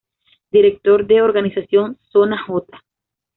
Director de Organización Zona J-!